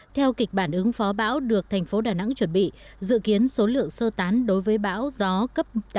theo kịch bản ứng phó bão được thành phố đà nẵng chuẩn bị dự kiến số lượng sơ tán đối với bão gió cấp tám